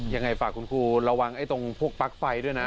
ยังไงฝากคุณครูระวังไอ้ตรงพวกปลั๊กไฟด้วยนะ